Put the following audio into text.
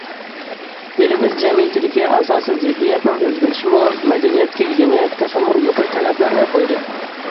ئېلىمىز جەمئىيىتىدىكى ئاساسىي زىددىيەتنىڭ ئۆزگىرىشىمۇ مەدەنىيەتكە يېڭى، تېخىمۇ يۇقىرى تەلەپلەرنى قويدى.